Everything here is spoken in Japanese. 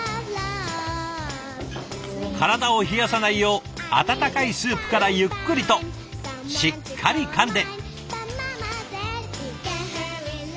体を冷やさないよう温かいスープからゆっくりとしっかりかんで。